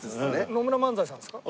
野村萬斎さんですか？